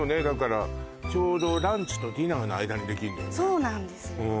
だからちょうどランチとディナーの間にできんのよね